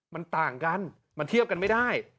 มันต่างกันมันเทียบกันไม่ได้